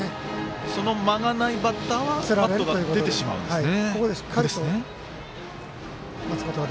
その間がないバッターは手が出てしまうんですね。